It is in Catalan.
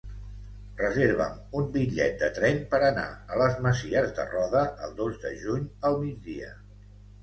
Reserva'm un bitllet de tren per anar a les Masies de Roda el dos de juny al migdia.